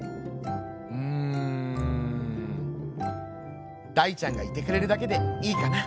「うん大ちゃんがいてくれるだけでいいかな」。